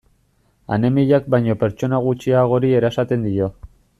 Anemiak baino pertsona gutxiagori erasaten dio.